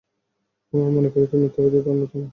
আমরা মনে করি, তুমি মিথ্যাবাদীদের অন্যতম।